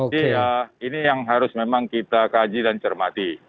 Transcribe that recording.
jadi ya ini yang harus memang kita kaji dan cermati